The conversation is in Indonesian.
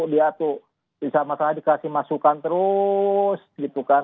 dia tuh sama sama dikasih masukan terus gitu kan